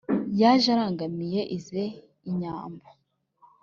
yaje arangamiye ize inyambo